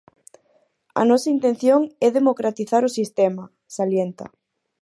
"A nosa intención é democratizar o sistema", salienta.